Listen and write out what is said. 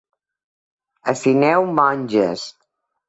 A Sineu, monges.